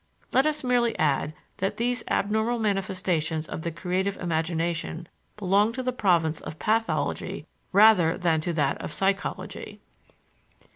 Let us merely add that these abnormal manifestations of the creative imagination belong to the province of pathology rather than to that of psychology.